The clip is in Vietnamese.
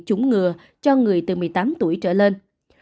chủng ngừa cho người từ một mươi tám tuổi trở lên